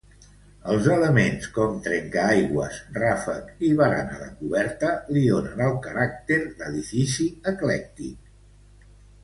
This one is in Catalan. Els elements com trencaaigües, ràfec i barana de coberta li donen el caràcter d'edifici eclèctic.